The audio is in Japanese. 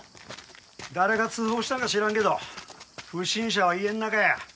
誰が通報したんか知らんけど不審者は家の中や。